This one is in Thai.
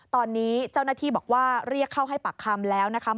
ตอนนี้เจ้าหน้าที่บอกว่าเรียกเข้าให้ปากคำแล้วนะคะ